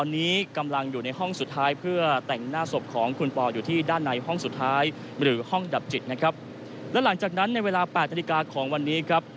ในห้องสุดท้ายหรือห้องดับจิตนะครับและหลังจากนั้นในเวลาแปดนาฬิกาของวันนี้ครับ